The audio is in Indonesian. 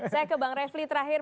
saya ke bang refli terakhir